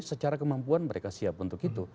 secara kemampuan mereka siap untuk itu